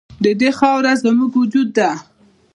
د دې خاوره زموږ وجود دی؟